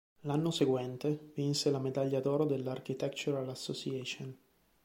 L'anno seguente, vinse la medaglia d'oro dell'Architectural Association.